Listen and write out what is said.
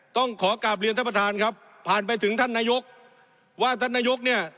ต้องขอกลับเรียนท่านประธานครับผ่านไปถึงท่านนายกว่าท่านนายกเนี่ย